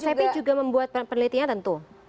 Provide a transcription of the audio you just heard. sapi juga membuat penelitian tentu